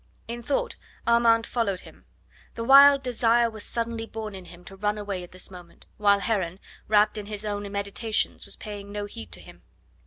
In thought Armand followed him. The wild desire was suddenly born in him to run away at this moment, while Heron, wrapped in his own meditations, was paying no heed to him.